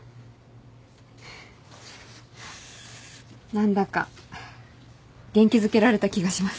何だか元気づけられた気がします。